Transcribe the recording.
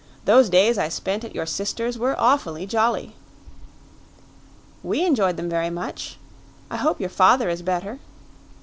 "Those days I spent at your sister's were awfully jolly." "We enjoyed them very much; I hope your father is better."